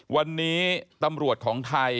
วันนี้ตำรวจของไทย